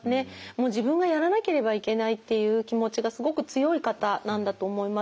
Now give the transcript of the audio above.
もう自分がやらなければいけないっていう気持ちがすごく強い方なんだと思います。